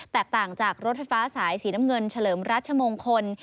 ต่างจากรถไฟฟ้าสายสีน้ำเงินเฉลิมรัชมงคล